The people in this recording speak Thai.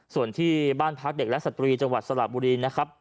ส่วนที่บ้านพักเด็กและสตรีจังหวัดสระบุรีนะครับ